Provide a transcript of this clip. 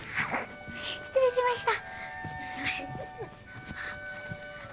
失礼しました。